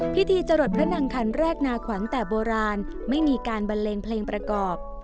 จรดพระนางคันแรกนาขวัญแต่โบราณไม่มีการบันเลงเพลงประกอบ